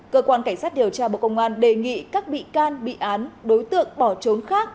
cơ quan cảnh sát điều tra bộ công an đề nghị các bị can bị án đối tượng bỏ trốn khác